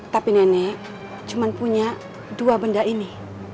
tapi nenek cuma punya dua benda ini